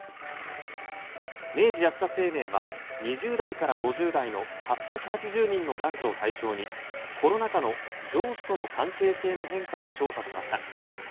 明治安田生命は２０代から５０代の８８０人の男女を対象にコロナ禍の上司との関係性の変化を調査しました。